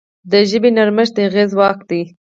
د ژبې نرمښت د هغې ځواک دی.